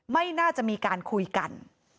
ไม่น่าจะมีการคุยกัน